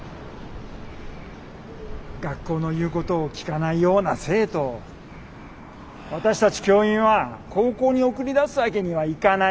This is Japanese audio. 学校の言うことを聞かないような生徒を私たち教員は高校に送り出すわけにはいかない。